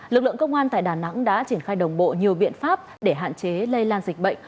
lực lượng công an tại đà nẵng đã triển khai đồng bộ nhiều biện pháp để hạn chế lây lan dịch bệnh